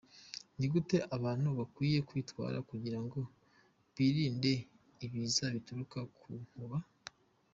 Ni gute abantu bakwiye kwitwara kugirango birinde ibiza bituruka ku nkuba?.